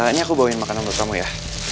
ini aku bawain makanan untuk kamu ya